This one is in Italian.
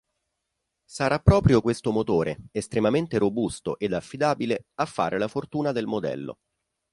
Sarà proprio questo motore, estremamente robusto ed affidabile, a fare la fortuna del modello.